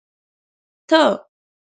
ته